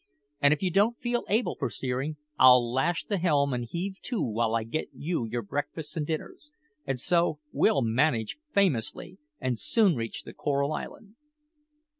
And if you don't feel able for steering, I'll lash the helm and heave to while I get you your breakfasts and dinners; and so we'll manage famously, and soon reach the Coral Island."